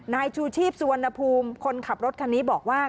นายชูชีพสุวรรณภูมิคนขับรถคันนี้บอกว่า